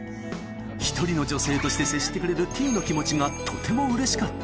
一人の女性として接してくれるＴの気持ちがとてもうれしかった。